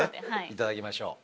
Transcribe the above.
いただきましょう。